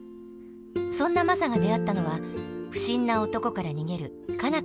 そんなマサが出会ったのは不審な男から逃げる佳奈